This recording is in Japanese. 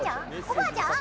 おばあちゃん？